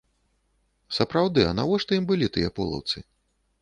Сапраўды, а навошта ім былі тыя полаўцы?